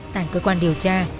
tạng cơ quan điều tra